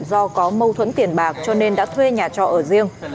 do có mâu thuẫn tiền bạc cho nên đã thuê nhà trọ ở riêng